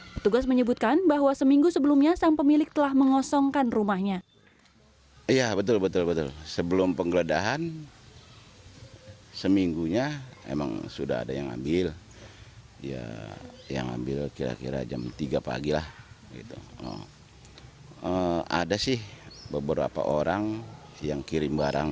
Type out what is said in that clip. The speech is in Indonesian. petugas menyebutkan bahwa seminggu sebelumnya sang pemilik telah mengosongkan rumahnya